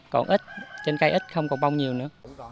còn ít trên cây ít không còn bông nhiều nữa